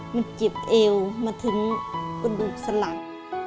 มันเจ็บเอวมาถึงกระดูกสลัก